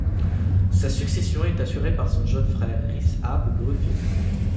Sa succession est assuré par son jeune frère Rhys ap Gruffydd.